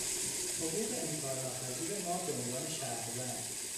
حقوق انکارناپذیر ما به عنوان شهروند